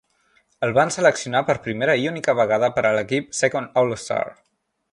El van seleccionar, per primera i única vegada, per a l'equip "Second All-Star".